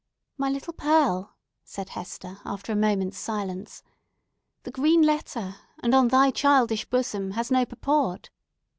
"My little Pearl," said Hester, after a moment's silence, "the green letter, and on thy childish bosom, has no purport.